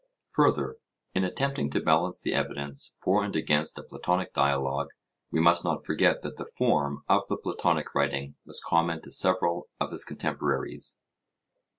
Further, in attempting to balance the evidence for and against a Platonic dialogue, we must not forget that the form of the Platonic writing was common to several of his contemporaries.